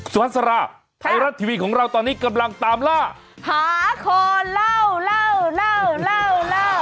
สวัสดีสาระไทยรัฐทีวีของเราตอนนี้กำลังตามล่าหาคอเล่าเล่าเล่าเล่าเล่า